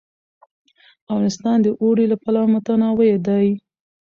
افغانستان د اوړي له پلوه متنوع دی.